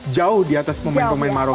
jauh di atas pemain pemain maruf